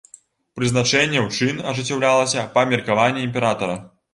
Прызначэнне ў чын ажыццяўлялася па меркаванні імператара.